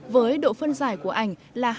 với độ phân giải của ảnh là